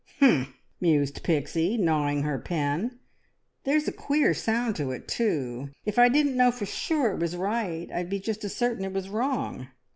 "Humph!" mused Pixie, gnawing her pen, "there's a queer sound to it too. If I didn't know for sure it was right, I'd be just as certain it was wrong!"